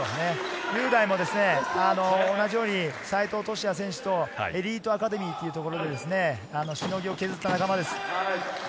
雄大も同じように西藤俊哉選手とエリートアカデミーというところでしのぎを削った仲間です。